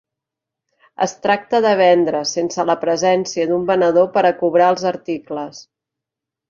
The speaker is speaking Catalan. Es tracta de vendre sense la presència d'un venedor per a cobrar els articles.